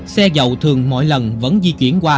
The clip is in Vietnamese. xe dầu thường mỗi lần vẫn di chuyển qua